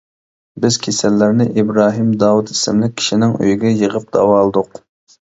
بىز كېسەللەرنى ئىبراھىم داۋۇت ئىسىملىك كىشىنىڭ ئۆيىگە يىغىپ داۋالىدۇق.